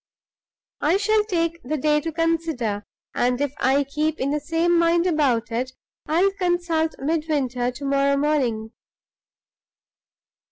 I'll take the day to consider; and if I keep in the same mind about it, I'll consult Midwinter to morrow morning."